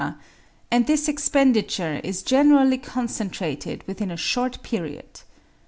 and this expenditure is generally concentrated within a short period.